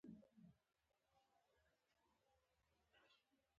ماشوم ته موږ کوچنی وایو